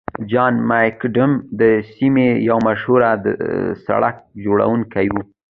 جان مکډم د سیمې یو مشهور سړک جوړونکی و.